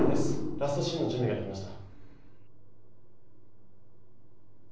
ラストシーンの準備ができました。